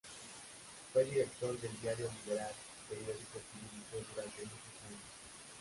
Fue director del "Diario Liberal", periódico que dirigió durante muchos años.